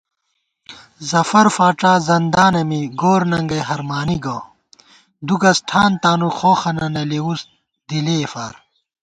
ظفر فاڄا زندانہ می گورننگئ ہرمانی گہ * دُو گز ٹھان تانُو خوخَنہ نہ لېؤس دِلّیےفار